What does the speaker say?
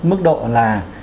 mức độ là